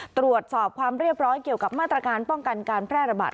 ตรวจสอบความเรียบร้อยเกี่ยวกับมาตรการป้องกันการแพร่ระบาด